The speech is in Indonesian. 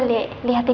depan ke witamu